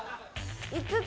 ５つ。